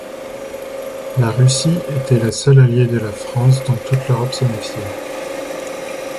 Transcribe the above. La Russie était la seule alliée de la France dont toute l'Europe se méfiait.